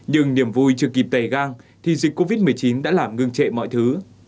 nhưng niềm vui chưa kịp tẩy gang thì dịch covid một mươi chín đã làm ngưng trệ mọi thứ